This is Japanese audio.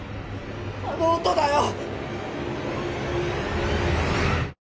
あの音だよ！